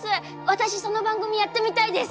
私その番組やってみたいです！